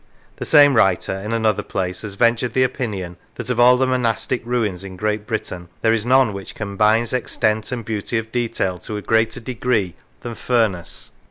The same writer, in another place, has ventured the opinion that of all the monastic ruins in Great Britain there is none which combines extent and beauty of detail to a greater degree than Furness.